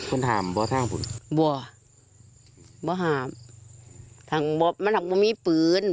เป็นหามบ่อทางปืนบ่อบ่อหามทางบ่มันทางบ่มีปืน